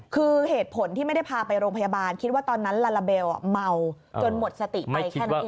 คือเหตุผลที่ไม่ได้พาไปโรงพยาบาลคิดว่าตอนนั้นลาลาเบลเมาจนหมดสติไปแค่นั้นเอง